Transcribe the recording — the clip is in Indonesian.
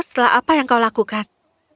setelah apa yang kau lakukan